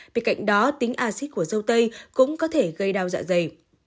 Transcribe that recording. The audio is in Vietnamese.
bên cạnh đó tính acid của dâu tây cũng có thể gây đau dạ dày